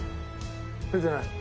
出てないの？